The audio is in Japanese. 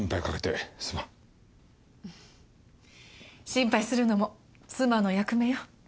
心配するのも妻の役目よ